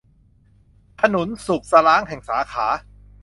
ขนุนสุกสล้างแห่ง สาขา